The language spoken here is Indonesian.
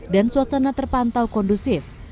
dan suasana terpantau kondusif